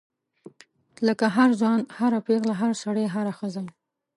لکه هر ځوان هر پیغله هر سړی هره ښځه.